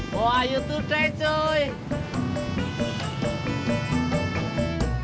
wah youtube tv